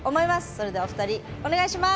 それではお二人お願いします。